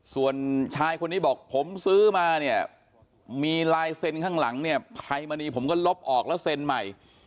ส่วนชายคนนี้บอกผมซื้อมาเนี่ยมีลายเซ็นข้างหลังเนี่ยใครมาดีผมก็ลบออกแล้วเซ็นใหม่